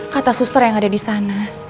kata suster yang ada di sana